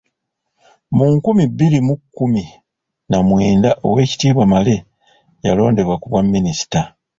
Mu nkumi bbiri mu kkumi na mwenda Oweekitiibwa Male yalondebwa ku bwa Minisita.